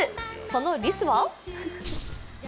そのリスは？